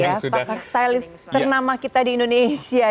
ya pakar stylist ternama kita di indonesia